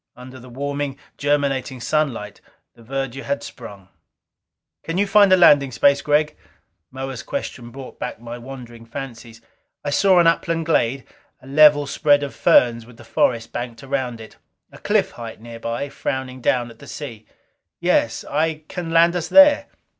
Under the warming, germinating sunlight, the verdure had sprung. "Can you find landing space, Gregg?" Moa's question brought back my wandering fancies. I saw an upland glade, a level spread of ferns with the forest banked around it. A cliff height nearby, frowning down at the sea. "Yes. I can land us there."